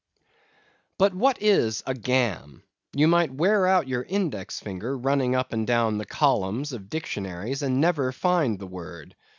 But what is a Gam? You might wear out your index finger running up and down the columns of dictionaries, and never find the word.